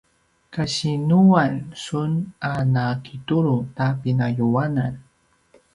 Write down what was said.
kasinuan sun a na kitulu ta pinayuanan?